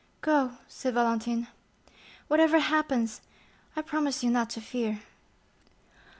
"Go," said Valentine, "whatever happens, I promise you not to fear."